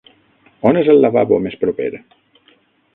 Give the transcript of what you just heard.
On és el lavabo més proper?